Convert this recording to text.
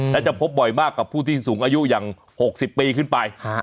และจะพบบ่อยมากกับผู้ที่สูงอายุอย่าง๖๐ปีขึ้นไป